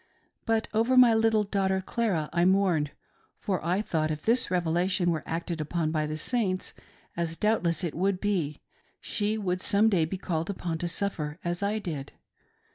But over my little daughter Clara I mourned, for I thought if this revelation were acted upon by the Saints, as doubtless it would be, she would some day be called upon to suffer as I did.